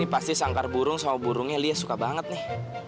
pasti sangkar burung sama burungnya lia suka banget nih